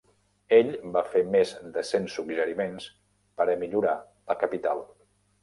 Ell va fer més de cent suggeriments per a millorar la capital.